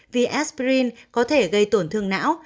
vì aspirin có thể gây tổn thương não